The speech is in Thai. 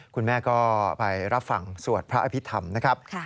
คุณแม่ก็ไปรับฟังสวดพระอภิษฐรรมนะครับ